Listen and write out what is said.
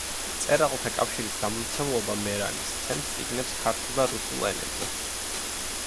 მწერალთა კავშირის გამომცემლობა „მერანი“ სცემს წიგნებს ქართულ და რუსულ ენებზე.